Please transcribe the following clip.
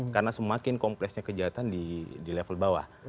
karena semakin kompleksnya kejahatan di level bawah